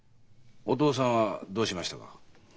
お父さんはどうしましたか？